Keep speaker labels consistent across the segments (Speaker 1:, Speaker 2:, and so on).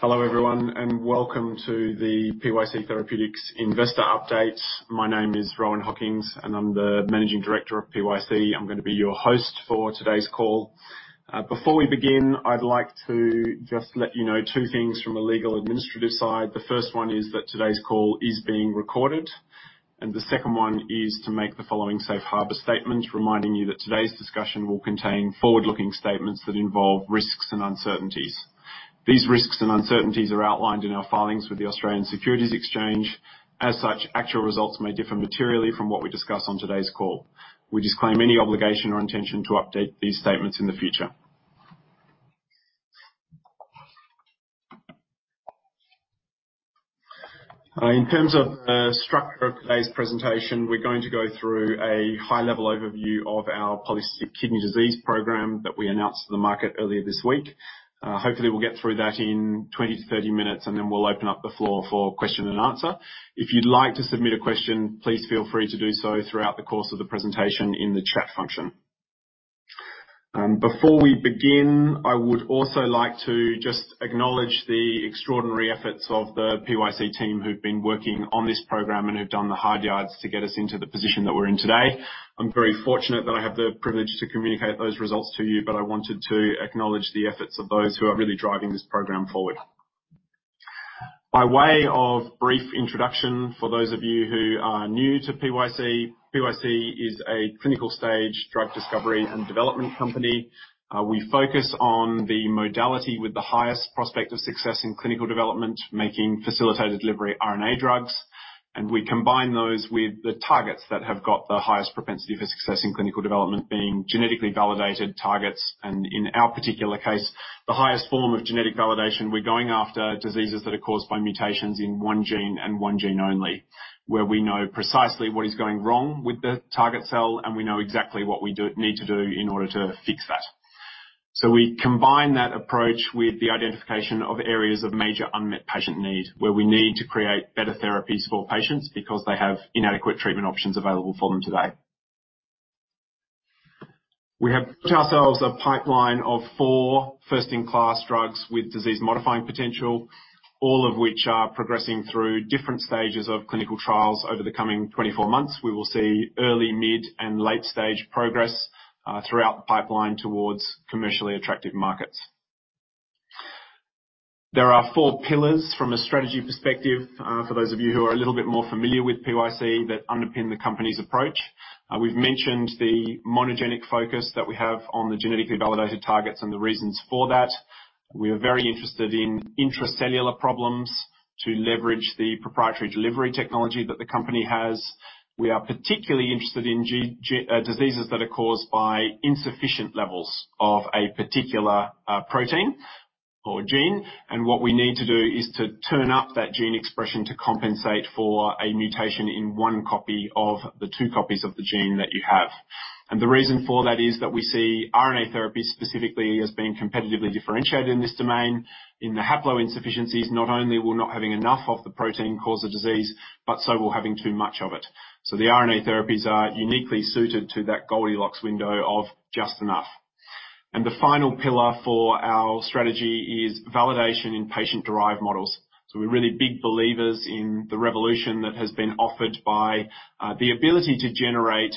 Speaker 1: Hello, everyone, and welcome to the PYC Therapeutics Investor Update. My name is Rohan Hockings, and I'm the Managing Director of PYC. I'm gonna be your host for today's call. Before we begin, I'd like to just let you know two things from a legal administrative side. The first one is that today's call is being recorded, and the second one is to make the following Safe Harbor statement, reminding you that today's discussion will contain forward-looking statements that involve risks and uncertainties. These risks and uncertainties are outlined in our filings with the Australian Securities Exchange. As such, actual results may differ materially from what we discuss on today's call. We disclaim any obligation or intention to update these statements in the future. In terms of the structure of today's presentation, we're going to go through a high-level overview of our Polycystic Kidney Disease program that we announced to the market earlier this week. Hopefully, we'll get through that in 20-30 minutes, and then we'll open up the floor for Q&A. If you'd like to submit a question, please feel free to do so throughout the course of the presentation in the chat function. Before we begin, I would also like to just acknowledge the extraordinary efforts of the PYC team, who've been working on this program and who've done the hard yards to get us into the position that we're in today. I'm very fortunate that I have the privilege to communicate those results to you, but I wanted to acknowledge the efforts of those who are really driving this program forward. By way of brief introduction, for those of you who are new to PYC, PYC is a clinical stage drug discovery and development company. We focus on the modality with the highest prospect of success in clinical development, making facilitated delivery RNA drugs, and we combine those with the targets that have got the highest propensity for success in clinical development, being genetically validated targets, and in our particular case, the highest form of genetic validation. We're going after diseases that are caused by mutations in one gene, and one gene only, where we know precisely what is going wrong with the target cell, and we know exactly what we need to do in order to fix that. So we combine that approach with the identification of areas of major unmet patient need, where we need to create better therapies for patients because they have inadequate treatment options available for them today. We have built ourselves a pipeline of four first-in-class drugs with disease-modifying potential, all of which are progressing through different stages of clinical trials over the coming 24 months. We will see early, mid, and late-stage progress throughout the pipeline towards commercially attractive markets. There are four pillars from a strategy perspective for those of you who are a little bit more familiar with PYC that underpin the company's approach. We've mentioned the monogenic focus that we have on the genetically validated targets and the reasons for that. We are very interested in intracellular problems to leverage the proprietary delivery technology that the company has. We are particularly interested in diseases that are caused by insufficient levels of a particular protein or gene, and what we need to do is to turn up that gene expression to compensate for a mutation in one copy of the two copies of the gene that you have. The reason for that is that we see RNA therapy specifically as being competitively differentiated in this domain. In the haploinsufficiency, not only will not having enough of the protein cause a disease, but so will having too much of it. The RNA therapeutics are uniquely suited to that Goldilocks window of just enough. The final pillar for our strategy is validation in patient-derived models. So we're really big believers in the revolution that has been offered by the ability to generate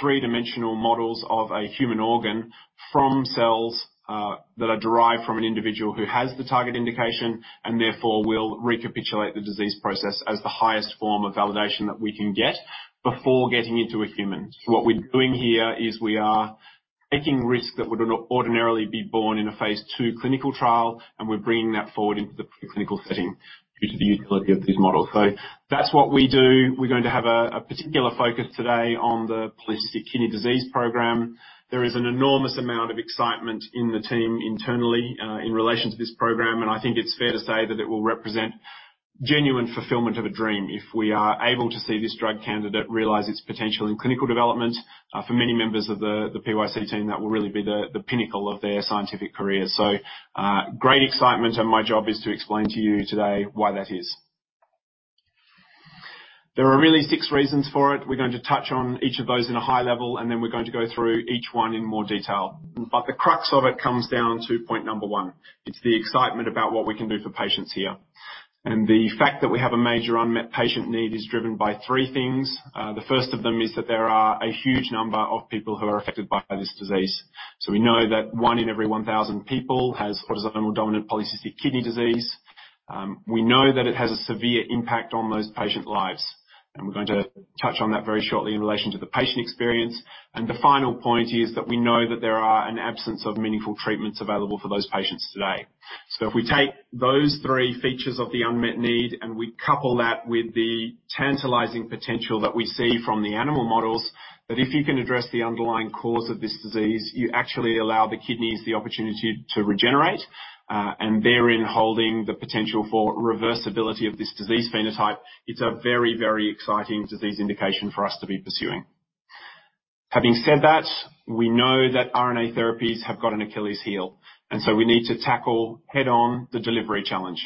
Speaker 1: three-dimensional models of a human organ from cells that are derived from an individual who has the target indication, and therefore will recapitulate the disease process as the highest form of validation that we can get before getting into a human. So what we're doing here is we are taking risks that would not ordinarily be borne in a phase II clinical trial, and we're bringing that forward into the pre-clinical setting due to the utility of these models. So that's what we do. We're going to have a particular focus today on the Polycystic Kidney Disease program. There is an enormous amount of excitement in the team internally in relation to this program, and I think it's fair to say that it will represent genuine fulfillment of a dream if we are able to see this drug candidate realize its potential in clinical development. For many members of the PYC team, that will really be the pinnacle of their scientific career. So, great excitement, and my job is to explain to you today why that is. There are really six reasons for it. We're going to touch on each of those in a high level, and then we're going to go through each one in more detail. But the crux of it comes down to point number one. It's the excitement about what we can do for patients here, and the fact that we have a major unmet patient need is driven by three things. The first of them is that there are a huge number of people who are affected by this disease. So we know that one in every 1,000 autosomal dominant polycystic kidney disease. we know that it has a severe impact on those patient lives, and we're going to touch on that very shortly in relation to the patient experience. The final point is that we know that there are an absence of meaningful treatments available for those patients today. So if we take those three features of the unmet need, and we couple that with the tantalizing potential that we see from the animal models, that if you can address the underlying cause of this disease, you actually allow the kidneys the opportunity to regenerate, and therein holding the potential for reversibility of this disease phenotype, it's a very, very exciting disease indication for us to be pursuing. Having said that, we know that RNA therapies have got an Achilles heel, and so we need to tackle head-on the delivery challenge....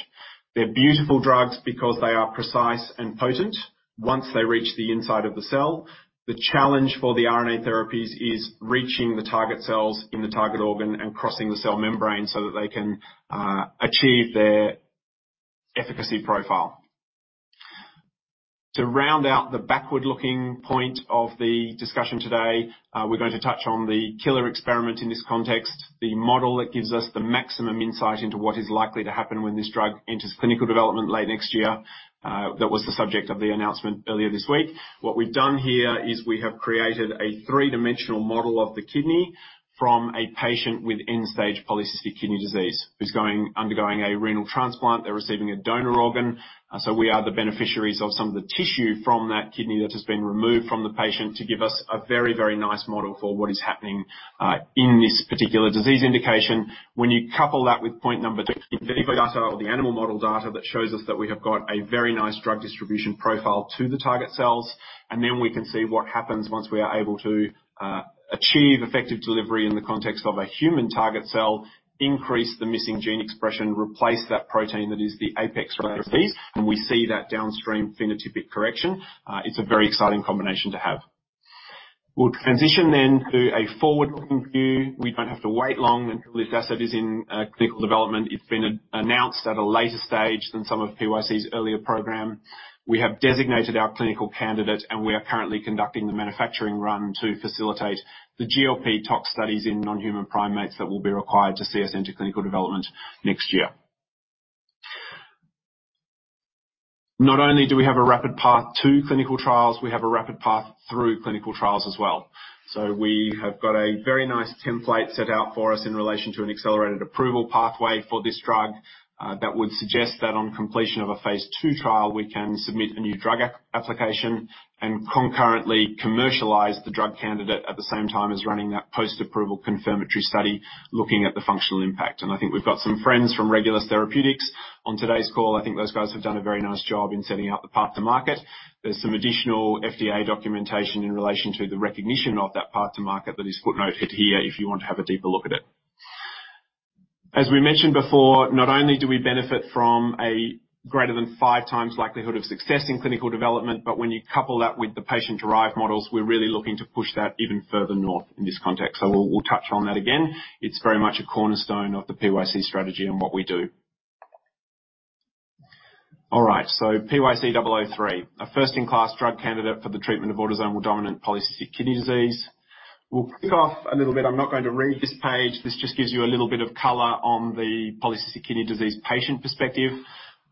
Speaker 1: They're beautiful drugs because they are precise and potent once they reach the inside of the cell. The challenge for the RNA therapies is reaching the target cells in the target organ and crossing the cell membrane so that they can achieve their efficacy profile. To round out the backward-looking point of the discussion today, we're going to touch on the killer experiment in this context, the model that gives us the maximum insight into what is likely to happen when this drug enters clinical development late next year. That was the subject of the announcement earlier this week. What we've done here is we have created a three-dimensional model of the kidney from a patient with end-stage polycystic kidney disease, who's undergoing a renal transplant. They're receiving a donor organ, so we are the beneficiaries of some of the tissue from that kidney that has been removed from the patient to give us a very, very nice model for what is happening in this particular disease indication. When you couple that with point number two, data or the animal model data, that shows us that we have got a very nice drug distribution profile to the target cells, and then we can see what happens once we are able to achieve effective delivery in the context of a human target cell, increase the missing gene expression, replace that protein that is the apex therapist, and we see that downstream phenotypic correction. It's a very exciting combination to have. We'll transition then to a forward-looking view. We don't have to wait long, and this asset is in clinical development. It's been announced at a later stage than some of PYC's earlier program. We have designated our clinical candidate, and we are currently conducting the manufacturing run to facilitate the GLP tox studies in non-human primates that will be required to see us into clinical development next year. Not only do we have a rapid path to clinical trials, we have a rapid path through clinical trials as well. So we have got a very nice template set out for us in relation to an accelerated approval pathway for this drug. That would suggest that on completion of a phase II trial, we can submit a new drug application and concurrently commercialize the drug candidate at the same time as running that post-approval confirmatory study, looking at the functional impact. And I think we've got some friends from Regulus Therapeutics on today's call. I think those guys have done a very nice job in setting out the path to market. There's some additional FDA documentation in relation to the recognition of that path to market that is footnoted here, if you want to have a deeper look at it. As we mentioned before, not only do we benefit from a greater than 5 times likelihood of success in clinical development, but when you couple that with the patient-derived models, we're really looking to push that even further north in this context. So we'll, we'll touch on that again. It's very much a cornerstone of the PYC strategy and what we do. All right, so PYC-003, a first-in-class drug candidate for the autosomal dominant polycystic kidney disease. we'll kick off a little bit... I'm not going to read this page. This just gives you a little bit of color the polycystic kidney disease patient perspective.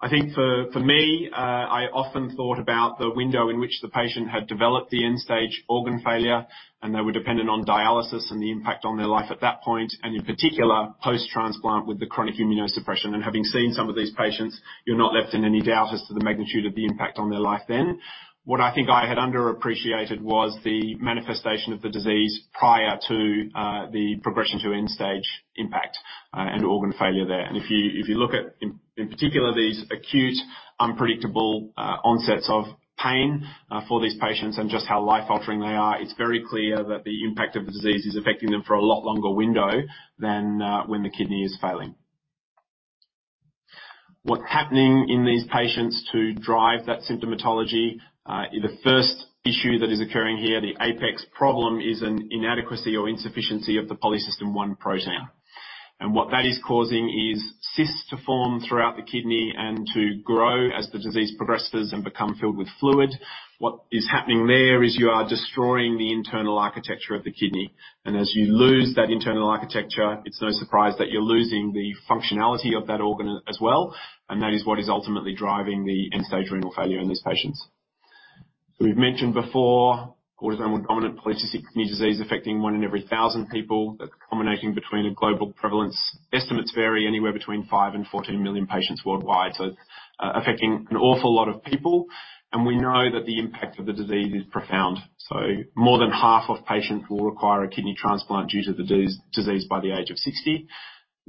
Speaker 1: I think for me, I often thought about the window in which the patient had developed the end-stage organ failure, and they were dependent on dialysis and the impact on their life at that point, and in particular, post-transplant with the chronic immunosuppression. Having seen some of these patients, you're not left in any doubt as to the magnitude of the impact on their life then. What I think I had underappreciated was the manifestation of the disease prior to the progression to end-stage impact and organ failure there. If you look at, in particular, these acute, unpredictable onsets of pain for these patients and just how life-altering they are, it's very clear that the impact of the disease is affecting them for a lot longer window than when the kidney is failing. What's happening in these patients to drive that symptomatology? The first issue that is occurring here, the apex problem, is an inadequacy or insufficiency of the Polycystin 1 protein. And what that is causing is cysts to form throughout the kidney and to grow as the disease progresses and become filled with fluid. What is happening there is you are destroying the internal architecture of the kidney, and as you lose that internal architecture, it's no surprise that you're losing the functionality of that organ as well, and that is what is ultimately driving the end-stage renal failure in these patients. We've autosomal dominant polycystic kidney disease affecting one in every 1,000 people. That's culminating between a global prevalence. Estimates vary anywhere between five and 14 million patients worldwide, so, affecting an awful lot of people, and we know that the impact of the disease is profound. So more than half of patients will require a kidney transplant due to the disease by the age of 60.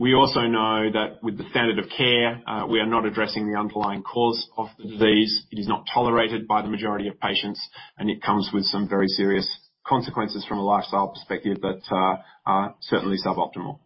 Speaker 1: We also know that with the standard of care, we are not addressing the underlying cause of the disease, it is not tolerated by the majority of patients, and it comes with some very serious consequences from a lifestyle perspective that, are certainly suboptimal.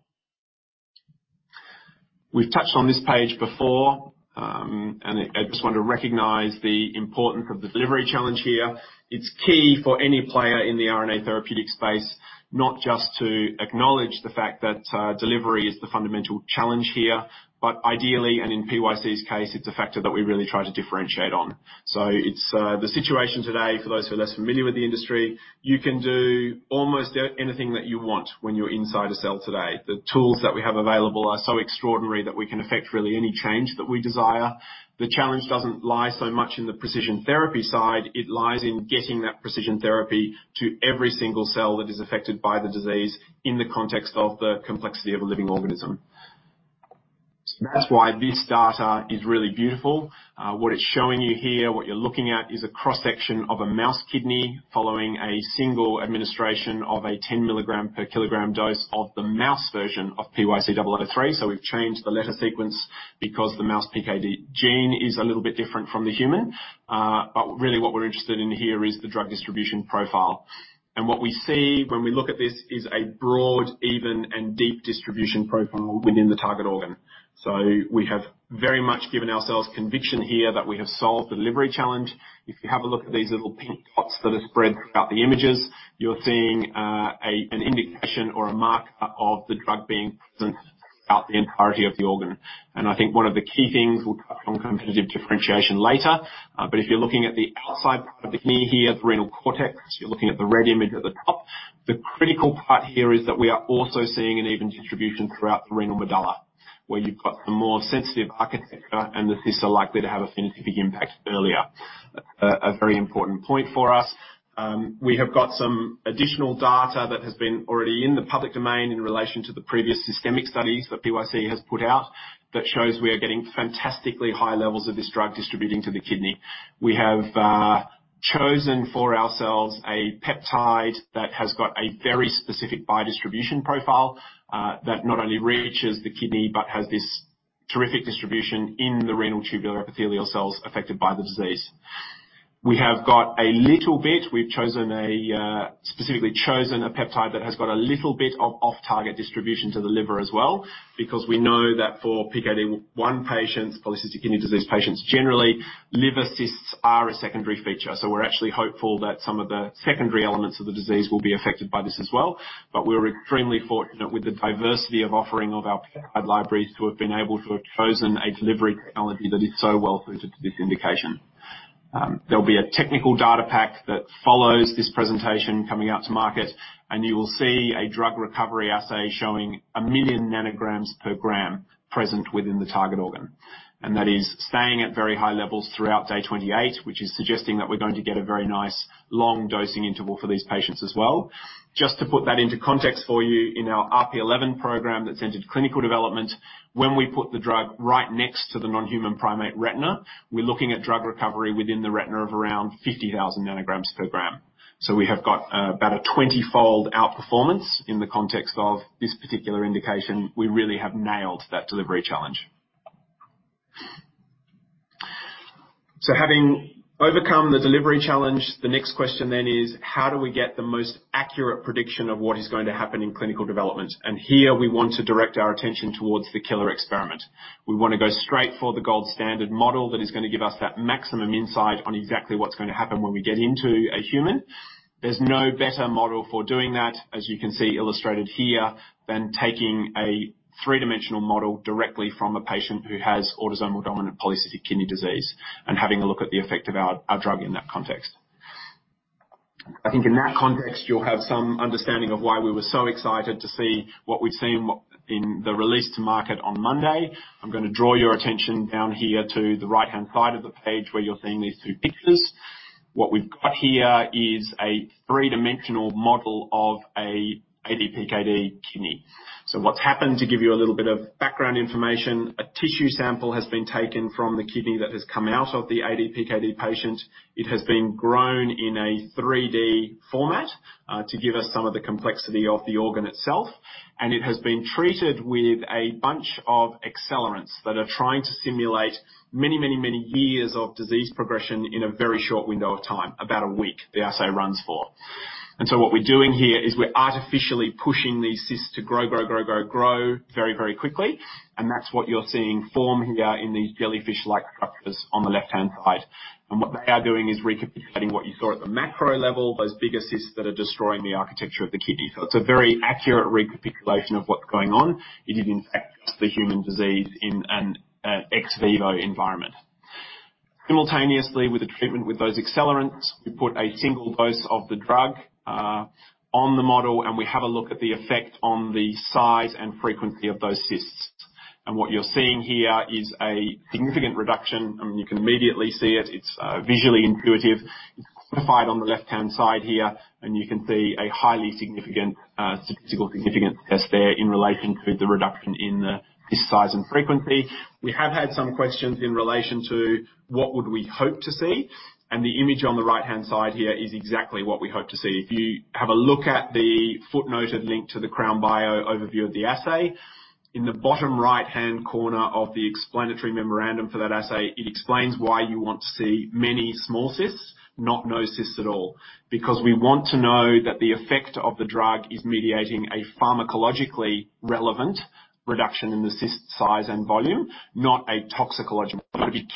Speaker 1: We've touched on this page before, and I just want to recognize the importance of the delivery challenge here. It's key for any player in the RNA therapeutic space, not just to acknowledge the fact that, delivery is the fundamental challenge here, but ideally, and in PYC's case, it's a factor that we really try to differentiate on. So it's the situation today, for those who are less familiar with the industry, you can do almost anything that you want when you're inside a cell today. The tools that we have available are so extraordinary that we can affect really any change that we desire. The challenge doesn't lie so much in the precision therapy side, it lies in getting that precision therapy to every single cell that is affected by the disease in the context of the complexity of a living organism. So that's why this data is really beautiful. What it's showing you here, what you're looking at, is a cross-section of a mouse kidney following a single administration of a 10 ml/kg dose of the mouse version of PYC-003. So, we've changed the letter sequence because the mouse PKD gene is a little bit different from the human. But really what we're interested in here is the drug distribution profile. And what we see when we look at this is a broad, even, and deep distribution profile within the target organ. So, we have very much given ourselves conviction here that we have solved the delivery challenge. If you have a look at these little pink dots that are spread throughout the images, you're seeing an indication or a marker of the drug being present out the entirety of the organ. I think one of the key things, we'll touch on competitive differentiation later, but if you're looking at the outside part of the kidney here, the renal cortex, you're looking at the red image at the top. The critical part here is that we are also seeing an even distribution throughout the renal medulla, where you've got the more sensitive architecture, and the cysts are likely to have a significant impact earlier. A very important point for us, we have got some additional data that has been already in the public domain in relation to the previous systemic studies that PYC has put out, that shows we are getting fantastically high levels of this drug distributing to the kidney. We have chosen for ourselves a peptide that has got a very specific biodistribution profile, that not only reaches the kidney, but has this terrific distribution in the renal tubular epithelial cells affected by the disease. We have got a little bit, we've chosen a, specifically chosen a peptide that has got a little bit of off-target distribution to the liver as well, because we know that for polycystic kidney disease patients, generally, liver cysts are a secondary feature. So we're actually hopeful that some of the secondary elements of the disease will be affected by this as well. But we're extremely fortunate with the diversity of offering of our peptide libraries, to have been able to have chosen a delivery technology that is so well suited to this indication. There'll be a technical data pack that follows this presentation coming out to market, and you will see a drug recovery assay showing 1 million nanograms per gram present within the target organ. And that is staying at very high levels throughout day 28, which is suggesting that we're going to get a very nice, long dosing interval for these patients as well. Just to put that into context for you, in our RP11 program, that's entered clinical development, when we put the drug right next to the non-human primate retina, we're looking at drug recovery within the retina of around 50,000 nanograms per gram. So we have got about a 20-fold outperformance in the context of this particular indication. We really have nailed that delivery challenge. So having overcome the delivery challenge, the next question then is: How do we get the most accurate prediction of what is going to happen in clinical development? And here, we want to direct our attention towards the killer experiment. We want to go straight for the gold standard model that is going to give us that maximum insight on exactly what's going to happen when we get into a human. There's no better model for doing that, as you can see illustrated here, than taking a three-dimensional model directly from a patient autosomal dominant polycystic kidney disease, and having a look at the effect of our drug in that context. I think in that context, you'll have some understanding of why we were so excited to see what we've seen in the release to market on Monday. I'm going to draw your attention down here to the right-hand side of the page, where you're seeing these two pictures. What we've got here is a three-dimensional model of a ADPKD kidney. So what's happened, to give you a little bit of background information, a tissue sample has been taken from the kidney that has come out of the ADPKD patient. It has been grown in a 3D format, to give us some of the complexity of the organ itself, and it has been treated with a bunch of accelerants that are trying to simulate many, many, many years of disease progression in a very short window of time, about a week, the assay runs for. So what we're doing here is we're artificially pushing these cysts to grow, grow, grow, grow, grow very, very quickly, and that's what you're seeing form here in these jellyfish-like structures on the left-hand side. What they are doing is recapitulating what you saw at the macro level, those big cysts that are destroying the architecture of the kidney. So, it's a very accurate recapitulation of what's going on. It is, in fact, the human disease in an ex vivo environment. Simultaneously, with the treatment, with those accelerants, we put a single dose of the drug on the model, and we have a look at the effect on the size and frequency of those cysts. What you're seeing here is a significant reduction. I mean, you can immediately see it. It's visually intuitive. It's quantified on the left-hand side here, and you can see a highly significant, statistical significant test there in relation to the reduction in the cyst size and frequency. We have had some questions in relation to what would we hope to see, and the image on the right-hand side here is exactly what we hope to see. If you have a look at the footnoted link to the Crown Bio overview of the assay, in the bottom right-hand corner of the explanatory memorandum for that assay, it explains why you want to see many small cysts, not no cysts at all. Because we want to know that the effect of the drug is mediating a pharmacologically relevant reduction in the cyst size and volume, not a toxicological,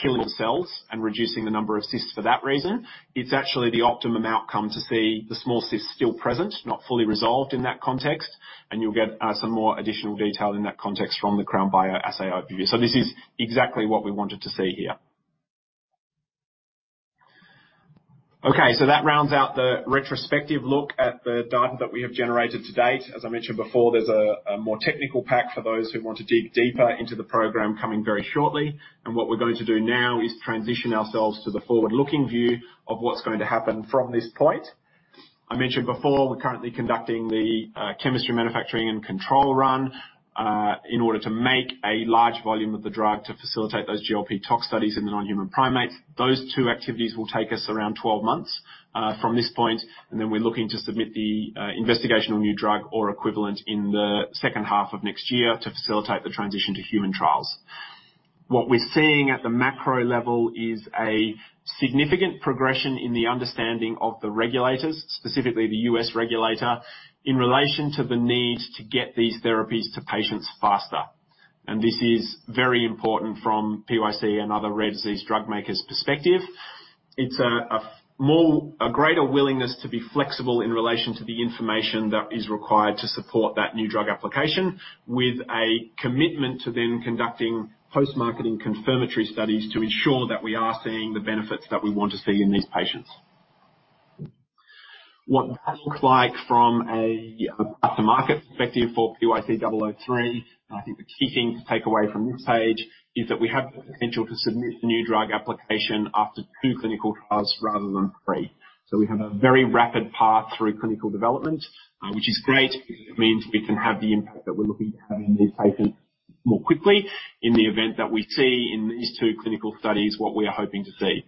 Speaker 1: killing cells and reducing the number of cysts for that reason. It's actually the optimum outcome to see the small cysts still present, not fully resolved in that context, and you'll get some more additional detail in that context from the Crown Bio assay overview. So this is exactly what we wanted to see here. Okay, so that rounds out the retrospective look at the data that we have generated to date. As I mentioned before, there's a more technical pack for those who want to dig deeper into the program coming very shortly. And what we're going to do now is transition ourselves to the forward-looking view of what's going to happen from this point. I mentioned before, we're currently conducting the chemistry, manufacturing, and control run in order to make a large volume of the drug to facilitate those GLP tox studies in the non-human primates. Those two activities will take us around 12 months from this point, and then we're looking to submit the investigational new drug or equivalent in the second half of next year to facilitate the transition to human trials. What we're seeing at the macro level is a significant progression in the understanding of the regulators, specifically the U.S. regulator, in relation to the need to get these therapies to patients faster. And this is very important from PYC and other rare disease drug makers' perspective. It's a greater willingness to be flexible in relation to the information that is required to support that new drug application, with a commitment to then conducting post-marketing confirmatory studies to ensure that we are seeing the benefits that we want to see in these patients. What that looks like from an after-market perspective for PYC-003, and I think the key thing to take away from this page, is that we have the potential to submit the new drug application after two clinical trials rather than three. So we have a very rapid path through clinical development, which is great, because it means we can have the impact that we're looking to have in these patients more quickly in the event that we see in these two clinical studies what we are hoping to see.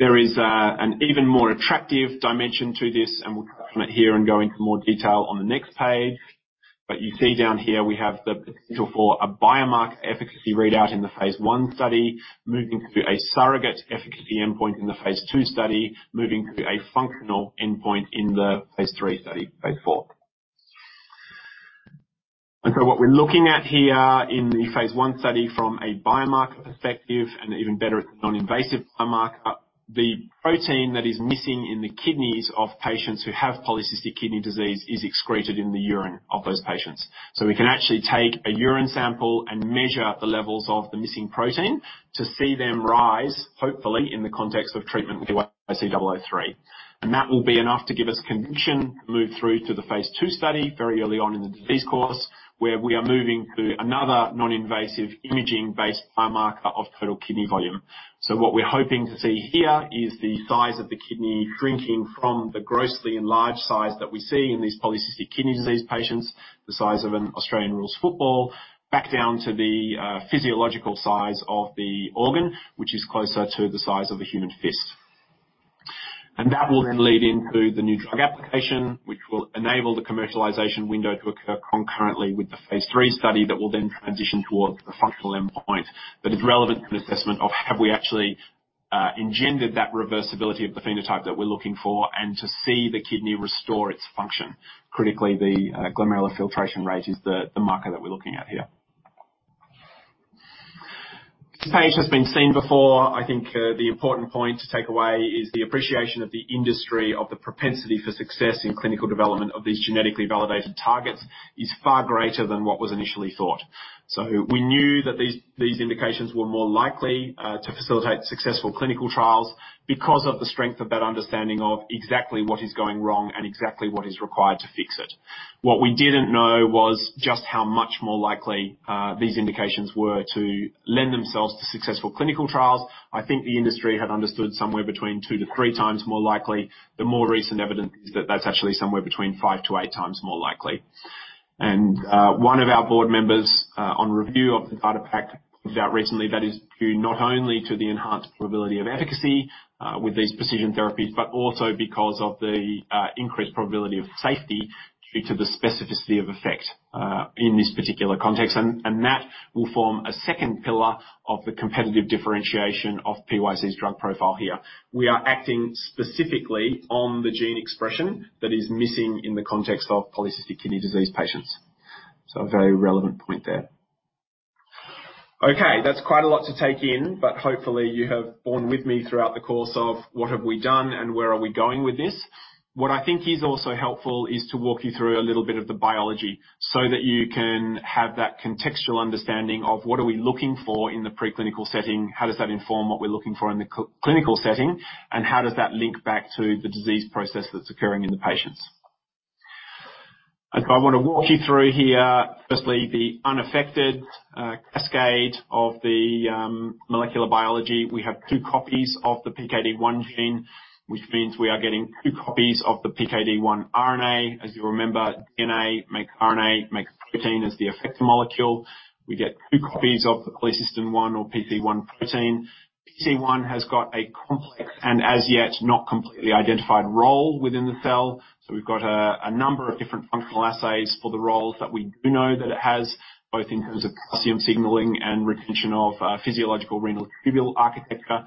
Speaker 1: There is an even more attractive dimension to this, and we'll comment here and go into more detail on the next page, but you see down here, we have the potential for a biomarker efficacy readout in phase I study, moving to a surrogate efficacy endpoint in the phase II study, moving to a functional endpoint in the phase III study, page four. And so, what we're looking at here in phase I study from a biomarker perspective, and even better, a non-invasive biomarker, the protein that is missing in the kidneys of patients who have polycystic kidney disease is excreted in the urine of those patients. So we can actually take a urine sample and measure the levels of the missing protein to see them rise, hopefully, in the context of treatment with PYC-003. And that will be enough to give us conviction to move through to the phase II study very early on in the disease course, where we are moving to another non-invasive imaging-based biomarker of total kidney volume. So what we're hoping to see here is the size of the kidney shrinking from the grossly enlarged size that we see polycystic kidney disease patients, the size of an Australian rules football, back down to the physiological size of the organ, which is closer to the size of a human fist. And that will then lead into the New Drug Application, which will enable the commercialization window to occur concurrently with the phase III study, that will then transition towards the functional endpoint. But it's relevant to an assessment of have we actually engendered that reversibility of the phenotype that we're looking for, and to see the kidney restore its function. Critically, the glomerular filtration rate is the marker that we're looking at here. This page has been seen before. I think the important point to take away is the appreciation of the industry, of the propensity for success in clinical development of these genetically validated targets, is far greater than what was initially thought. So we knew that these indications were more likely to facilitate successful clinical trials because of the strength of that understanding of exactly what is going wrong and exactly what is required to fix it. What we didn't know was just how much more likely these indications were to lend themselves to successful clinical trials. I think the industry had understood somewhere between 2-3 times more likely. The more recent evidence is that that's actually somewhere between 5-8 times more likely. And one of our board members, on review of the data pack, pointed out recently that is due not only to the enhanced probability of efficacy, with these precision therapies, but also because of the increased probability of safety due to the specificity of effect, in this particular context. And that will form a second pillar of the competitive differentiation of PYC's drug profile here. We are acting specifically on the gene expression that is missing in the polycystic kidney disease patients. so, a very relevant point there. Okay, that's quite a lot to take in, but hopefully, you have borne with me throughout the course of what have we done and where are we going with this. What I think is also helpful is to walk you through a little bit of the biology, so that you can have that contextual understanding of what are we looking for in the preclinical setting, how does that inform what we're looking for in the clinical setting, and how does that link back to the disease process that's occurring in the patients? And so, I want to walk you through here, firstly, the unaffected cascade of the molecular biology. We have two copies of the PKD1 gene, which means we are getting two copies of the PKD1 RNA. As you remember, DNA makes RNA, makes protein as the effector molecule. We get two copies of the Polycystin 1 or PC1 protein. PC1 has got a complex and as yet not completely identified role within the cell, so we've got a number of different functional assays for the roles that we do know that it has, both in terms of calcium signaling and retention of physiological renal tubule architecture.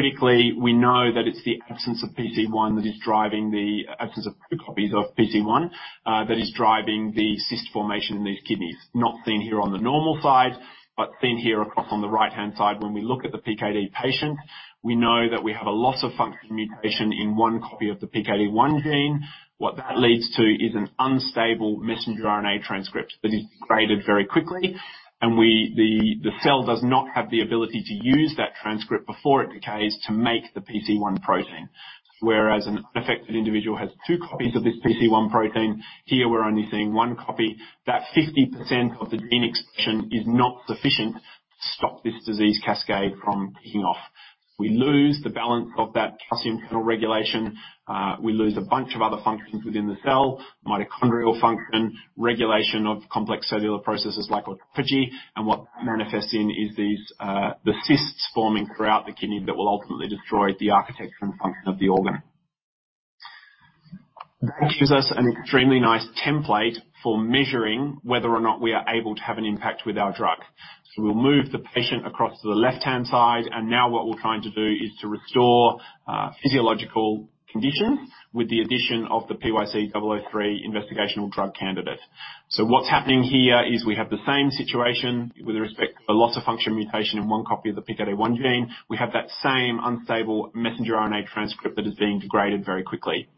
Speaker 1: Critically, we know that it's the absence of PC1 that is driving the absence of copies of PC1 that is driving the cyst formation in these kidneys. Not seen here on the normal side, but seen here across on the right-hand side when we look at the PKD patient, we know that we have a loss-of-function mutation in one copy of the PKD1 gene. What that leads to is an unstable mRNA transcript that is degraded very quickly, and the cell does not have the ability to use that transcript before it decays to make the PC1 protein. Whereas an unaffected individual has two copies of this PC1 protein, here, we're only seeing one copy. That 50% of the gene expression is not sufficient to stop this disease cascade from kicking off. We lose the balance of that calcium channel regulation, we lose a bunch of other functions within the cell, mitochondrial function, regulation of complex cellular processes like autophagy, and what that manifests in are these cysts forming throughout the kidney that will ultimately destroy the architecture and function of the organ. This gives us an extremely nice template for measuring whether or not we are able to have an impact with our drug. We'll move the patient across to the left-hand side, and now what we're trying to do is to restore physiological condition with the addition of the PYC-003 investigational drug candidate. What's happening here is we have the same situation with respect to the loss-of-function mutation in one copy of the PKD1 gene. We have that same unstable mRNA transcript that is being degraded very quickly.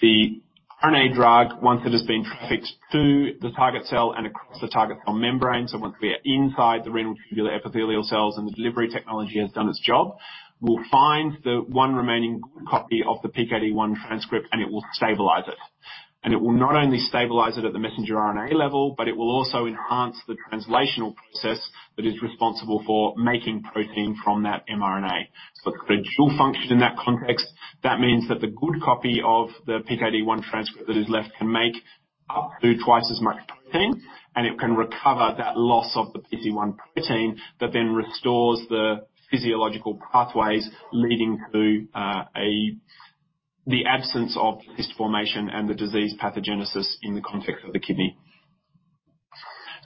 Speaker 1: The RNA drug, once it has been trafficked through the target cell and across the target cell membrane, so once we are inside the renal tubular epithelial cells, and the delivery technology has done its job, we'll find the one remaining copy of the PKD1 transcript, and it will stabilize it. It will not only stabilize it at the mRNA level, but it will also enhance the translational process that is responsible for making protein from that mRNA. So a dual function in that context, that means that the good copy of the PKD1 transcript that is left can do twice as much protein, and it can recover that loss of the PKD1 protein that then restores the physiological pathways leading to the absence of cyst formation and the disease pathogenesis in the context of the kidney.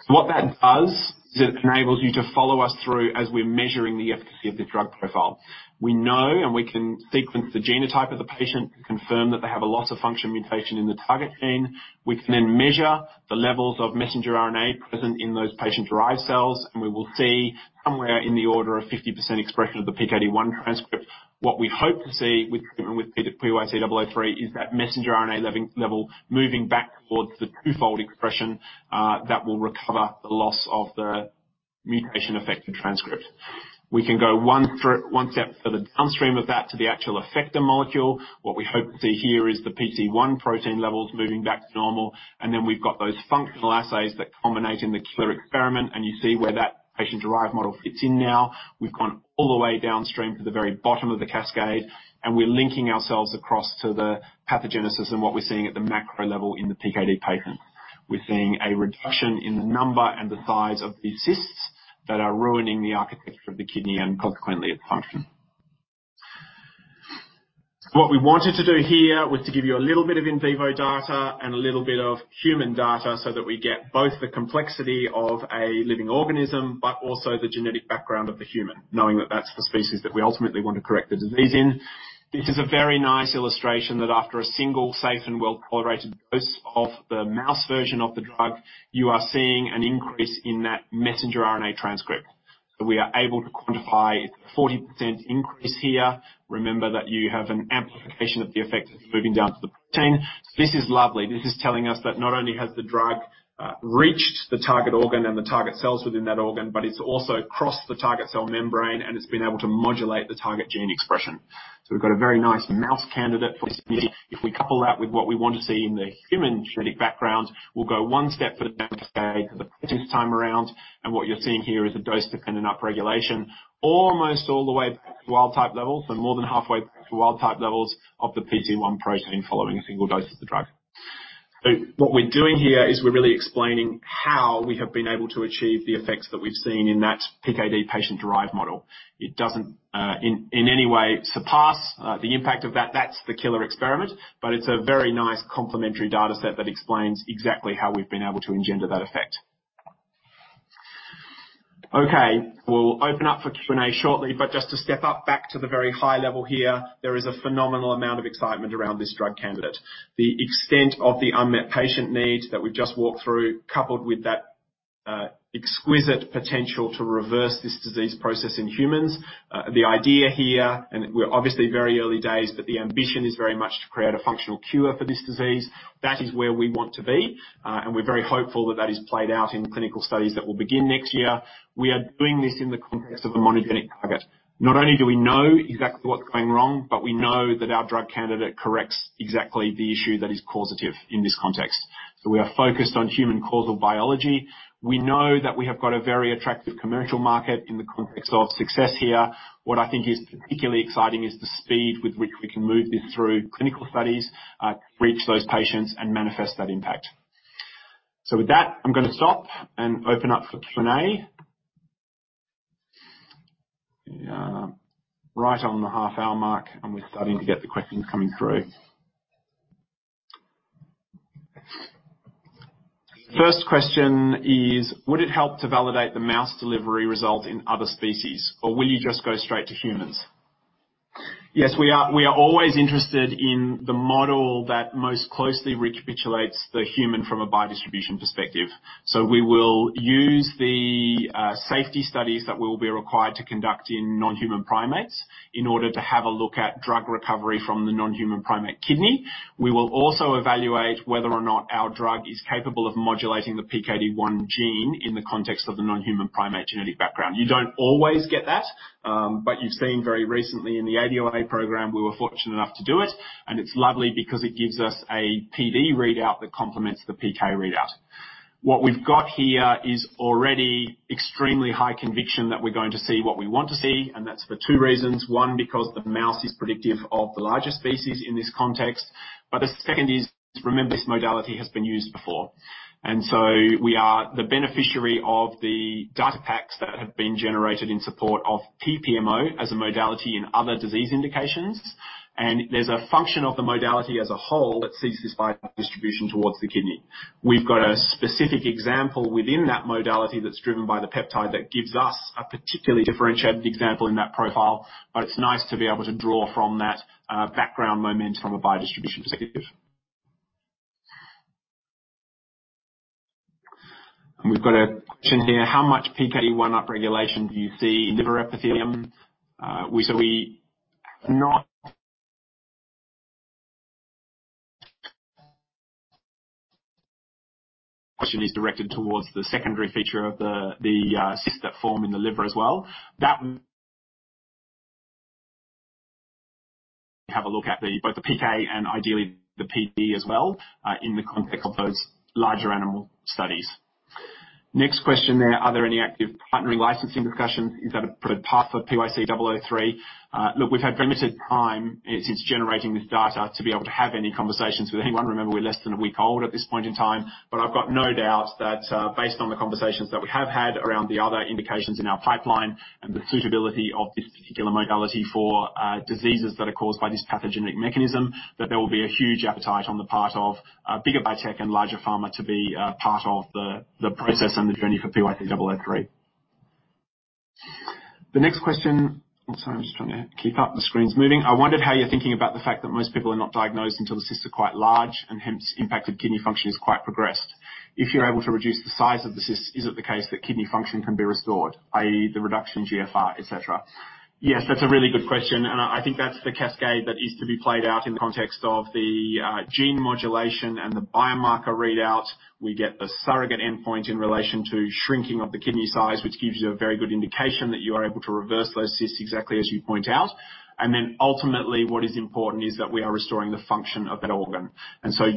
Speaker 1: So what that does is it enables you to follow us through as we're measuring the efficacy of the drug profile. We know, and we can sequence the genotype of the patient to confirm that they have a loss of function mutation in the target gene. We can then measure the levels of mRNA present in those patient-derived cells, and we will see somewhere in the order of 50% expression of the PKD1 transcript. What we hope to see with treatment with PYC-003 is that mRNA level moving back towards the twofold expression that will recover the loss of the mutation-affected transcript. We can go one step further downstream of that to the actual effector molecule. What we hope to see here is the PKD1 protein levels moving back to normal, and then we've got those functional assays that culminate in the clear experiment, and you see where that patient-derived model fits in now. We've gone all the way downstream to the very bottom of the cascade, and we're linking ourselves across to the pathogenesis and what we're seeing at the macro level in the PKD patient. We're seeing a reduction in the number and the size of the cysts that are ruining the architecture of the kidney and consequently its function. What we wanted to do here was to give you a little bit of in vivo data and a little bit of human data, so that we get both the complexity of a living organism, but also the genetic background of the human, knowing that that's the species that we ultimately want to correct the disease in. This is a very nice illustration that after a single safe and well-tolerated dose of the mouse version of the drug, you are seeing an increase in that mRNA transcript. So, we are able to quantify a 40% increase here. Remember that you have an amplification of the effect moving down to the protein. This is lovely. This is telling us that not only has the drug reached the target organ and the target cells within that organ, but it's also crossed the target cell membrane, and it's been able to modulate the target gene expression. So, we've got a very nice mouse candidate for this disease. If we couple that with what we want to see in the human genetic background, we'll go one step further down the cascade for the practice time around, and what you're seeing here is a dose-dependent upregulation, almost all the way to wild type levels, so more than halfway to wild type levels of the PKD1 protein following a single dose of the drug. So, what we're doing here is we're really explaining how we have been able to achieve the effects that we've seen in that PKD patient-derived model. It doesn't in any way surpass the impact of that. That's the killer experiment, but it's a very nice complementary data set that explains exactly how we've been able to engender that effect. Okay, we'll open up for Q&A shortly, but just to step up back to the very high level here, there is a phenomenal amount of excitement around this drug candidate. The extent of the unmet patient needs that we've just walked through, coupled with that exquisite potential to reverse this disease process in humans. The idea here, and we're obviously very early days, but the ambition is very much to create a functional cure for this disease. That is where we want to be, and we're very hopeful that that is played out in clinical studies that will begin next year. We are doing this in the context of a monogenic target. Not only do we know exactly what's going wrong, but we know that our drug candidate corrects exactly the issue that is causative in this context. So we are focused on human causal biology. We know that we have got a very attractive commercial market in the context of success here. What I think is particularly exciting is the speed with which we can move this through clinical studies, reach those patients, and manifest that impact. So with that, I'm gonna stop and open up for Q&A.
Speaker 2: Right on the half-hour mark, and we're starting to get the questions coming through. First question is: Would it help to validate the mouse delivery result in other species, or will you just go straight to humans?
Speaker 1: Yes, we are, we are always interested in the model that most closely recapitulates the human from a biodistribution perspective. So, we will use the safety studies that we will be required to conduct in non-human primates in order to have a look at drug recovery from the non-human primate kidney. We will also evaluate whether or not our drug is capable of modulating the PKD1 gene in the context of the non-human primate genetic background. You don't always get that, but you've seen very recently in the ADOA program, we were fortunate enough to do it, and it's lovely because it gives us a PD readout that complements the PK readout. What we've got here is already extremely high conviction that we're going to see what we want to see, and that's for two reasons. One, because the mouse is predictive of the larger species in this context, but the second is, remember, this modality has been used before. And so, we are the beneficiary of the data packs that have been generated in support of PPMO as a modality in other disease indications. And there's a function of the modality as a whole that sees this biodistribution towards the kidney. We've got a specific example within that modality that's driven by the peptide, that gives us a particularly differentiated example in that profile, but it's nice to be able to draw from that background momentum from a biodistribution perspective.
Speaker 2: And we've got a question here: How much PKD1 upregulation do you see in liver epithelium? Question is directed towards the secondary feature of the cyst that form in the liver as well.
Speaker 1: That, have a look at the, both the PK and ideally the PD as well, in the context of those larger animal studies.
Speaker 2: Next question there: Are there any active partnering licensing discussions you've got a path for PYC-003?
Speaker 1: Look, we've had limited time, since generating this data to be able to have any conversations with anyone. Remember, we're less than a week old at this point in time, but I've got no doubt that, based on the conversations that we have had around the other indications in our pipeline and the suitability of this particular modality for, diseases that are caused by this pathogenic mechanism, that there will be a huge appetite on the part of, bigger biotech and larger pharma to be, part of the, the process and the journey for PYC-003.
Speaker 2: The next question. Also, I'm just trying to keep up. The screen's moving. I wondered how you're thinking about the fact that most people are not diagnosed until the cysts are quite large, and hence, impacted kidney function is quite progressed. If you're able to reduce the size of the cysts, is it the case that kidney function can be restored, i.e., the reduction eGFR, et cetera?
Speaker 1: Yes, that's a really good question, and I, I think that's the cascade that is to be played out in the context of the gene modulation and the biomarker readout. We get a surrogate endpoint in relation to shrinking of the kidney size, which gives you a very good indication that you are able to reverse those cysts, exactly as you point out. And then, ultimately, what is important is that we are restoring the function of that organ.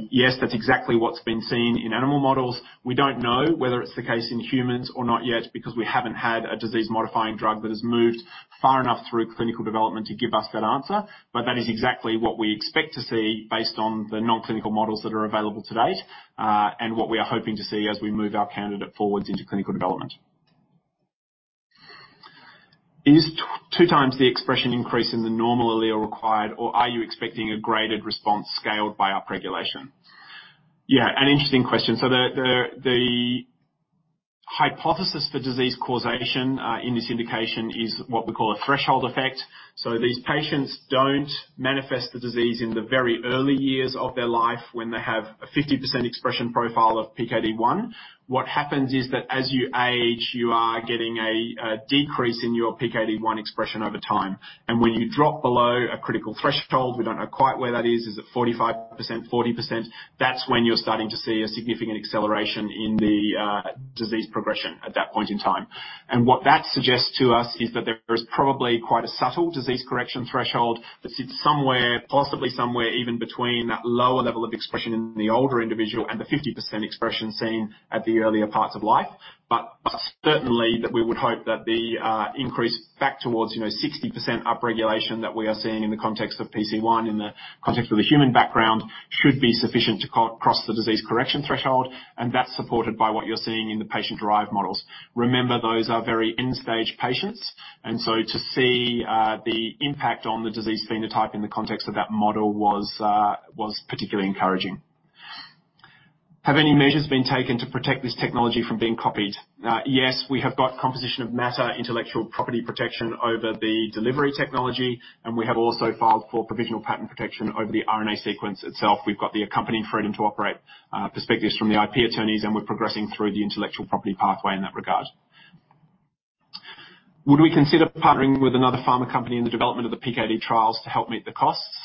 Speaker 1: Yes, that's exactly what's been seen in animal models. We don't know whether it's the case in humans or not yet, because we haven't had a disease-modifying drug that has moved far enough through clinical development to give us that answer. But that is exactly what we expect to see based on the non-clinical models that are available to date, and what we are hoping to see as we move our candidate forward into clinical development.
Speaker 2: Is two times the expression increase in the normal allele required, or are you expecting a graded response scaled by upregulation?
Speaker 1: Yeah, an interesting question. So the hypothesis for disease causation in this indication is what we call a threshold effect. So these patients don't manifest the disease in the very early years of their life, when they have a 50% expression profile of PKD1. What happens is that as you age, you are getting a decrease in your PKD1 expression over time, and when you drop below a critical threshold, we don't know quite where that is, is it 45%, 40%? That's when you're starting to see a significant acceleration in the disease progression at that point in time. And what that suggests to us is that there is probably quite a subtle disease correction threshold that sits somewhere, possibly somewhere even between that lower level of expression in the older individual and the 50% expression seen at the earlier parts of life. But certainly, that we would hope that the increase back towards, you know, 60% upregulation that we are seeing in the context of PC1, in the context of the human background, should be sufficient to cross the disease correction threshold, and that's supported by what you're seeing in the patient-derived models. Remember, those are very end-stage patients, and so to see the impact on the disease phenotype in the context of that model was particularly encouraging.
Speaker 2: Have any measures been taken to protect this technology from being copied?
Speaker 1: Yes, we have got composition of matter, intellectual property protection over the delivery technology, and we have also filed for provisional patent protection over the RNA sequence itself. We've got the accompanying freedom to operate perspectives from the IP attorneys, and we're progressing through the intellectual property pathway in that regard.
Speaker 2: Would we consider partnering with another pharma company in the development of the PKD trials to help meet the costs?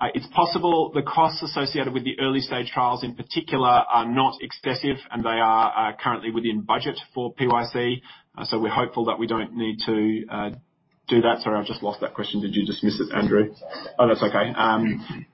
Speaker 2: It's possible. The costs associated with the early stage trials, in particular, are not excessive, and they are currently within budget for PYC.
Speaker 1: So we're hopeful that we don't need to do that. Sorry, I've just lost that question. Did you just miss it, Andrew?
Speaker 2: Oh, that's okay.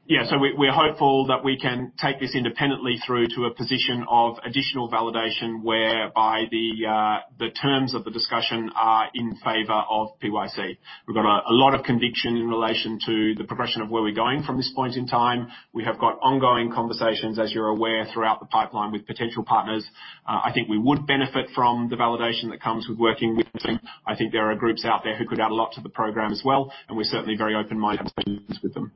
Speaker 1: Yeah, so we, we're hopeful that we can take this independently through to a position of additional validation, whereby the terms of the discussion are in favor of PYC. We've got a lot of conviction in relation to the progression of where we're going from this point in time. We have got ongoing conversations, as you're aware, throughout the pipeline, with potential partners. I think we would benefit from the validation that comes with working with them. I think there are groups out there who could add a lot to the program as well, and we're certainly very open-minded with them.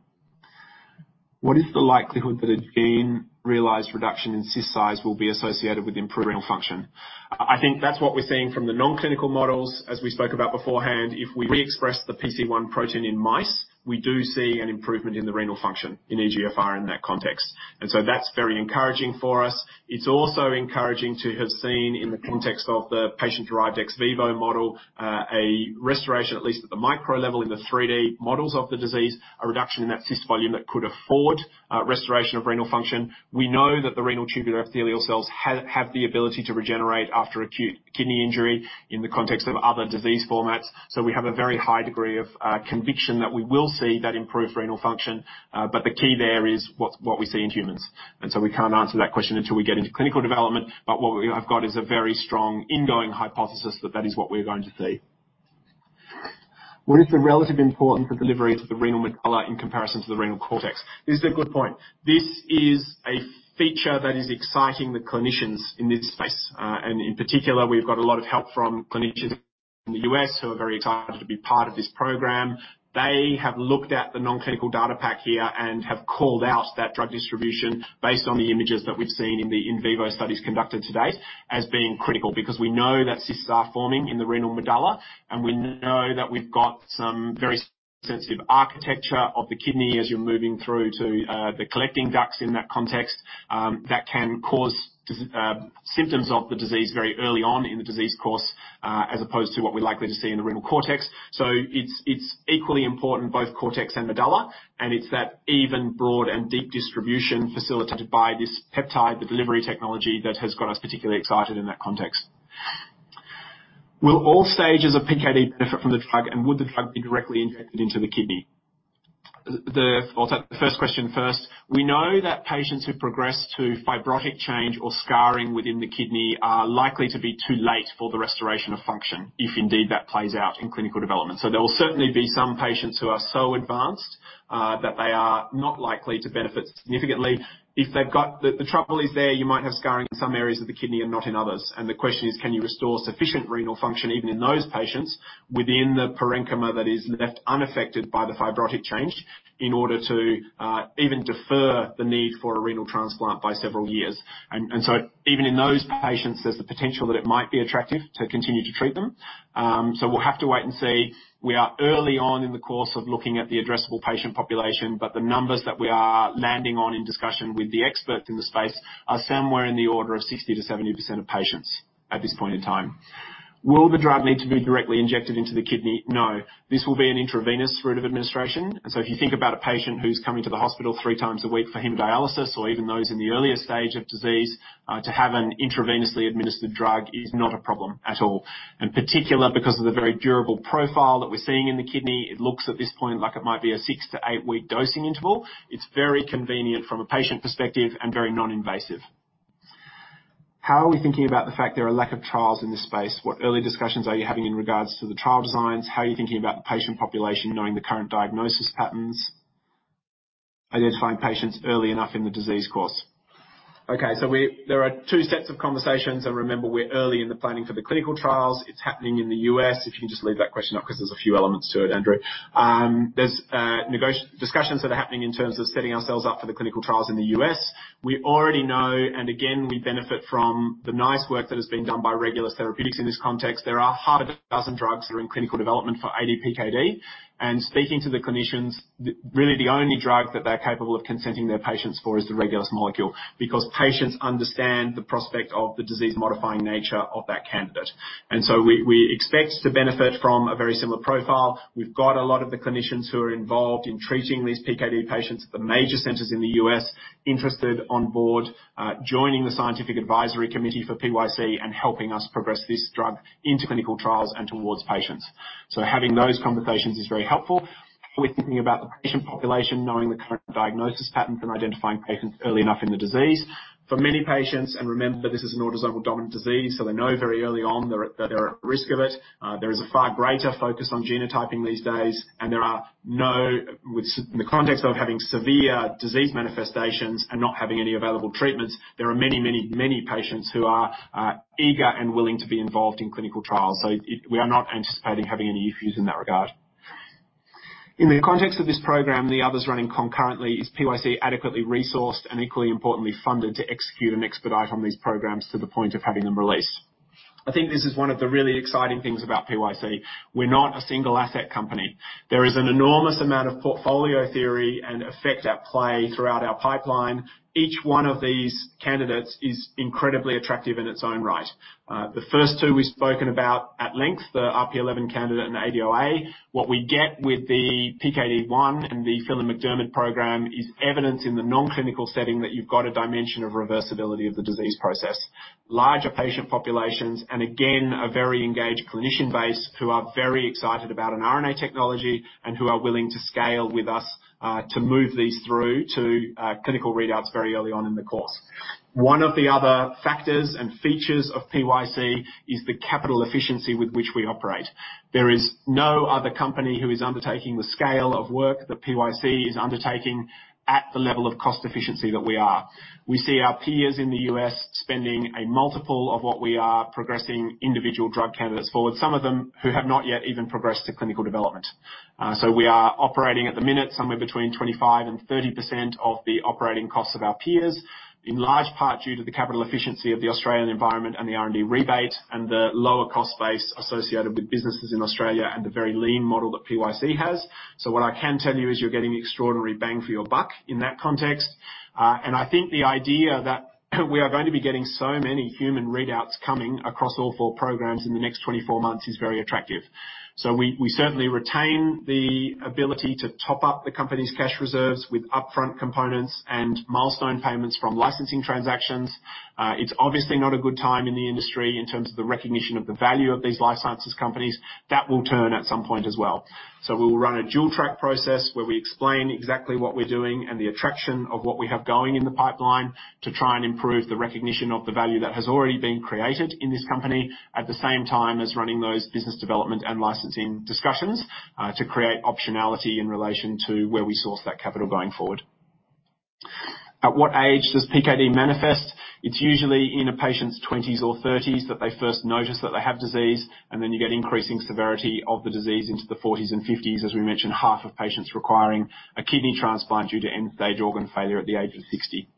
Speaker 2: What is the likelihood that a gain realized reduction in cyst size will be associated with improved renal function?
Speaker 1: I think that's what we're seeing from the non-clinical models. As we spoke about beforehand, if we re-express the PC1 protein in mice, we do see an improvement in the renal function, in eGFR, in that context. And so that's very encouraging for us. It's also encouraging to have seen in the context of the patient-derived ex vivo model, a restoration, at least at the micro level in the 3D models of the disease, a reduction in that cyst volume that could afford restoration of renal function. We know that the renal tubular epithelial cells have the ability to regenerate after acute kidney injury in the context of other disease formats. So we have a very high degree of conviction that we will see that improved renal function. But the key there is what we see in humans, and so we can't answer that question until we get into clinical development. But I've got a very strong ingoing hypothesis that that is what we're going to see.
Speaker 2: What is the relative importance of delivery to the renal medulla in comparison to the renal cortex?
Speaker 1: This is a good point. This is a feature that is exciting the clinicians in this space, and in particular, we've got a lot of help from clinicians in the U.S. who are very excited to be part of this program. They have looked at the non-clinical data pack here and have called out that drug distribution based on the images that we've seen in the in vivo studies conducted to date as being critical. Because we know that cysts are forming in the renal medulla, and we know that we've got some very sensitive architecture of the kidney as you're moving through to the collecting ducts in that context, that can cause symptoms of the disease very early on in the disease course, as opposed to what we're likely to see in the renal cortex. So it's, it's equally important, both cortex and medulla, and it's that even broad and deep distribution facilitated by this peptide, the delivery technology, that has got us particularly excited in that context.
Speaker 2: Will all stages of PKD benefit from the drug, and would the drug be directly injected into the kidney?
Speaker 1: I'll take the first question first. We know that patients who progress to fibrotic change or scarring within the kidney are likely to be too late for the restoration of function, if indeed that plays out in clinical development. So there will certainly be some patients who are so advanced that they are not likely to benefit significantly. The trouble is, you might have scarring in some areas of the kidney and not in others, and the question is, can you restore sufficient renal function even in those patients, within the parenchyma that is left unaffected by the fibrotic change, in order to even defer the need for a renal transplant by several years? So even in those patients, there's the potential that it might be attractive to continue to treat them. So we'll have to wait and see. We are early on in the course of looking at the addressable patient population, but the numbers that we are landing on in discussion with the experts in the space are somewhere in the order of 60%-70% of patients at this point in time.
Speaker 2: Will the drug need to be directly injected into the kidney?
Speaker 1: No. This will be an intravenous route of administration. So if you think about a patient who's coming to the hospital three times a week for hemodialysis, or even those in the earlier stage of disease, to have an intravenously administered drug is not a problem at all. In particular, because of the very durable profile that we're seeing in the kidney, it looks at this point like it might be a six-eight-week dosing interval. It's very convenient from a patient perspective and very non-invasive.
Speaker 2: How are we thinking about the fact there are a lack of trials in this space? What early discussions are you having in regards to the trial designs? How are you thinking about the patient population, knowing the current diagnosis patterns, identifying patients early enough in the disease course?
Speaker 1: Okay, so there are two sets of conversations, and remember, we're early in the planning for the clinical trials. It's happening in the U.S. If you can just leave that question up, because there's a few elements to it, Andrew. There's discussions that are happening in terms of setting ourselves up for the clinical trials in the U.S. We already know, and again, we benefit from the nice work that has been done by Regulus Therapeutics in this context. There are six drugs that are in clinical development for ADPKD, and speaking to the clinicians, really, the only drug that they're capable of consenting their patients for is the Regulus molecule, because patients understand the prospect of the disease-modifying nature of that candidate. And so we, we expect to benefit from a very similar profile. We've got a lot of the clinicians who are involved in treating these PKD patients at the major centers in the U.S. interested on board, joining the scientific advisory committee for PYC and helping us progress this drug into clinical trials and towards patients. So having those conversations is very helpful.
Speaker 2: How are we thinking about the patient population, knowing the current diagnosis patterns and identifying patients early enough in the disease?
Speaker 1: For many patients, and remember, this is an autosomal dominant disease, so they know very early on that they're at risk of it. There is a far greater focus on genotyping these days, and there are no, with severe in the context of having severe disease manifestations and not having any available treatments, there are many, many, many patients who are eager and willing to be involved in clinical trials, so we are not anticipating having any issues in that regard.
Speaker 2: In the context of this program and the others running concurrently, is PYC adequately resourced and equally importantly, funded to execute and expedite on these programs to the point of having them released?
Speaker 1: I think this is one of the really exciting things about PYC. We're not a single asset company. There is an enormous amount of portfolio theory and effect at play throughout our pipeline. Each one of these candidates is incredibly attractive in its own right. The first two we've spoken about at length, the RP11 candidate and the ADOA. What we get with the PKD1 and the Phelan-McDermid program, is evidence in the non-clinical setting that you've got a dimension of reversibility of the disease process. Larger patient populations, and again, a very engaged clinician base, who are very excited about an RNA technology, and who are willing to scale with us, to move these through to clinical readouts very early on in the course. One of the other factors and features of PYC is the capital efficiency with which we operate. There is no other company who is undertaking the scale of work that PYC is undertaking at the level of cost efficiency that we are. We see our peers in the U.S. spending a multiple of what we are progressing individual drug candidates forward, some of them who have not yet even progressed to clinical development. So we are operating, at the minute, somewhere between 25% and 30% of the operating costs of our peers, in large part due to the capital efficiency of the Australian environment and the R&D rebate, and the lower cost base associated with businesses in Australia and the very lean model that PYC has. So what I can tell you is you're getting extraordinary bang for your buck in that context. I think the idea that we are going to be getting so many human readouts coming across all four programs in the next 24 months is very attractive. So we, we certainly retain the ability to top up the company's cash reserves with upfront components and milestone payments from licensing transactions. It's obviously not a good time in the industry in terms of the recognition of the value of these life sciences companies. That will turn at some point as well. So we'll run a dual track process, where we explain exactly what we're doing and the attraction of what we have going in the pipeline to try and improve the recognition of the value that has already been created in this company, at the same time as running those business development and licensing discussions, to create optionality in relation to where we source that capital going forward.
Speaker 2: At what age does PKD manifest?
Speaker 1: It's usually in a patient's 20s or 30s that they first notice that they have disease, and then you get increasing severity of the disease into the 40s and 50s. As we mentioned, half of patients requiring a kidney transplant due to end-stage organ failure at the age of 60.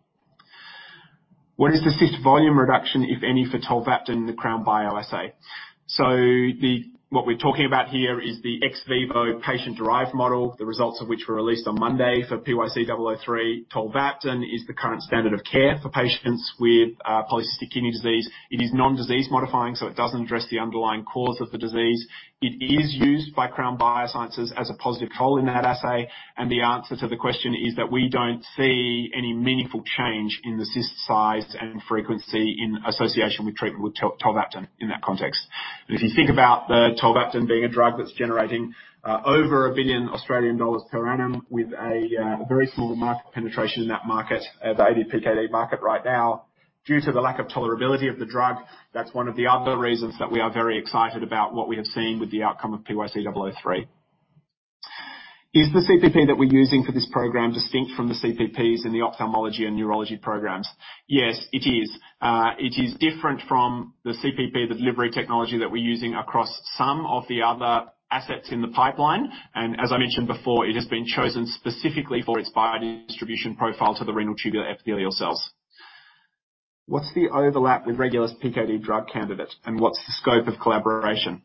Speaker 2: What is the cyst volume reduction, if any, for tolvaptan in the Crown Bio assay?
Speaker 1: So, the, what we're talking about here is the ex vivo patient-derived model, the results of which were released on Monday for PYC-003. Tolvaptan is the current standard of care for patients with polycystic kidney disease. It is non-disease modifying, so it doesn't address the underlying cause of the disease. It is used by Crown Bioscience as a positive control in that assay, and the answer to the question is that we don't see any meaningful change in the cyst size and frequency in association with treatment with tolvaptan in that context. But if you think about the tolvaptan being a drug that's generating over 1 billion Australian dollars per annum with a very small market penetration in that market, the ADPKD market right now, due to the lack of tolerability of the drug, that's one of the other reasons that we are very excited about what we have seen with the outcome of PYC-003.
Speaker 2: Is the CPP that we're using for this program distinct from the CPPs in the ophthalmology and neurology programs?
Speaker 1: Yes, it is. It is different from the CPP, the delivery technology that we're using across some of the other assets in the pipeline, and as I mentioned before, it has been chosen specifically for its biodistribution profile to the renal tubular epithelial cells.
Speaker 2: What's the overlap with Regulus PKD drug candidate, and what's the scope of collaboration?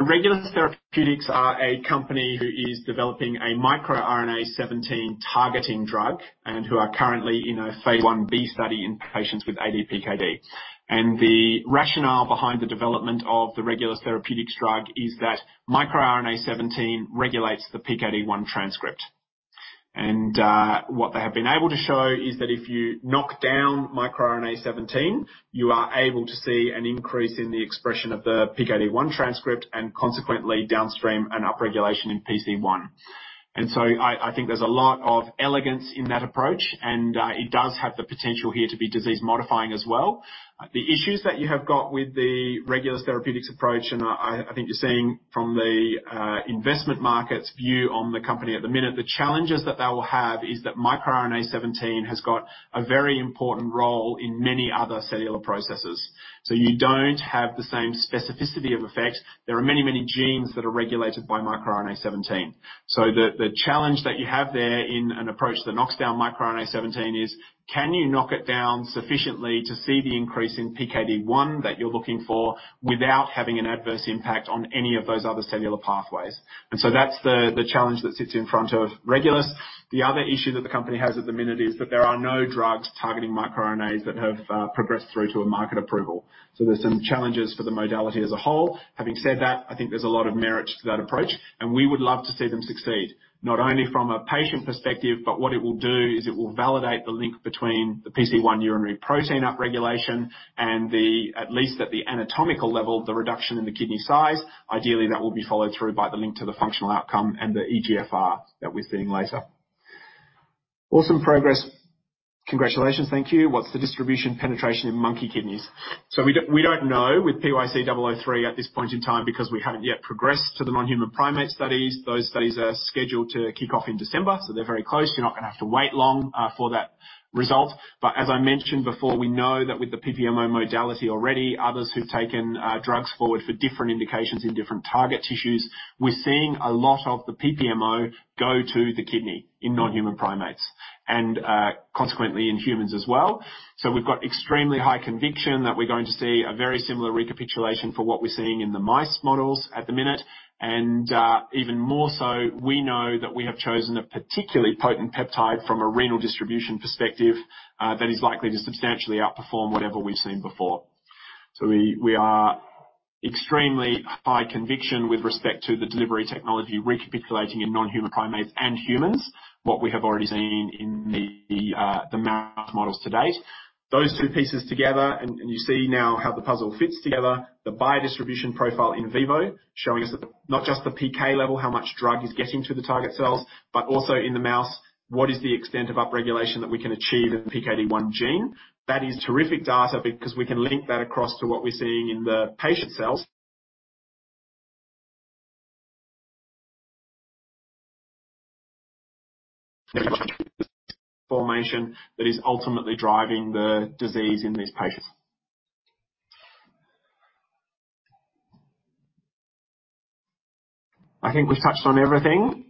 Speaker 1: Regulus Therapeutics is a company who is developing a miRNA-17 targeting drug, and who are currently in phase I-B study in patients with ADPKD. The rationale behind the development of the Regulus Therapeutics drug is that miRNA-17 regulates the PKD1 transcript. What they have been able to show is that if you knock down miRNA-17, you are able to see an increase in the expression of the PKD1 transcript, and consequently, downstream an upregulation in PC1. So I think there's a lot of elegance in that approach, and it does have the potential here to be disease modifying as well. The issues that you have got with the Regulus Therapeutics approach, and I, I think you're seeing from the, investment market's view on the company at the minute, the challenges that they will have is that miRNA-17 has got a very important role in many other cellular processes. So you don't have the same specificity of effect. There are many, many genes that are regulated by miRNA-17. So the, the challenge that you have there in an approach that knocks down miRNA-17 is, can you knock it down sufficiently to see the increase in PKD1 that you're looking for, without having an adverse impact on any of those other cellular pathways? And so that's the, the challenge that sits in front of Regulus. The other issue that the company has at the minute is that there are no drugs targeting miRNAs that have progressed through to a market approval. So there's some challenges for the modality as a whole. Having said that, I think there's a lot of merit to that approach, and we would love to see them succeed, not only from a patient perspective, but what it will do is it will validate the link between the PC1 urinary protein upregulation and the, at least at the anatomical level, the reduction in the kidney size. Ideally, that will be followed through by the link to the functional outcome and the eGFR that we're seeing later.
Speaker 2: Awesome progress. Congratulations. Thank you. What's the distribution penetration in monkey kidneys?
Speaker 1: So we don't, we don't know with PYC-003 at this point in time because we haven't yet progressed to the non-human primate studies. Those studies are scheduled to kick off in December, so they're very close. You're not going to have to wait long, for that result. But as I mentioned before, we know that with the PPMO modality already, others who've taken drugs forward for different indications in different target tissues, we're seeing a lot of the PPMO go to the kidney in non-human primates and consequently in humans as well. So we've got extremely high conviction that we're going to see a very similar recapitulation for what we're seeing in the mice models at the minute. And, even more so, we know that we have chosen a particularly potent peptide from a renal distribution perspective, that is likely to substantially outperform whatever we've seen before. So we, we are extremely high conviction with respect to the delivery technology, recapitulating in non-human primates and humans, what we have already seen in the, the mouse models to date. Those two pieces together, and, and you see now how the puzzle fits together, the biodistribution profile in vivo, showing us that not just the PK level, how much drug is getting to the target cells, but also in the mouse, what is the extent of upregulation that we can achieve in PKD1 gene? That is terrific data because we can link that across to what we're seeing in the patient cells. Formation that is ultimately driving the disease in these patients.
Speaker 2: I think we've touched on everything.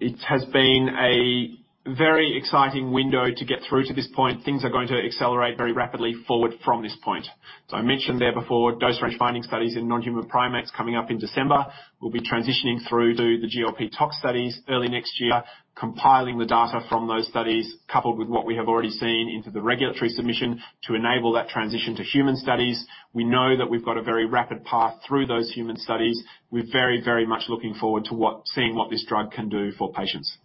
Speaker 1: It has been a very exciting window to get through to this point. Things are going to accelerate very rapidly forward from this point. I mentioned there before, dose range finding studies in non-human primates coming up in December. We'll be transitioning through to the GLP tox studies early next year, compiling the data from those studies, coupled with what we have already seen into the regulatory submission, to enable that transition to human studies. We know that we've got a very rapid path through those human studies. We're very, very much looking forward to seeing what this drug can do for patients.